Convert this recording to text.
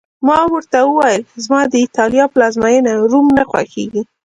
ما ورته وویل: زما د ایټالیا پلازمېنه، روم نه خوښېږي.